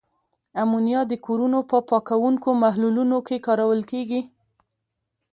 امونیا د کورونو په پاکوونکو محلولونو کې کارول کیږي.